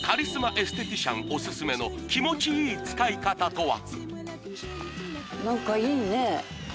エステティシャンおすすめの気持ちいい使い方とは？